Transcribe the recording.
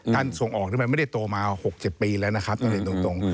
ส่งออกนี่มันไม่ได้โตมา๖๐ปีแล้วนะครับต้องเรียนตรง